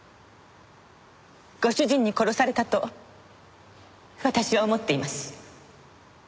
ご主人に殺されたと私は思っています。